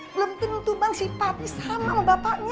belum tentu bang sifatnya sama sama bapaknya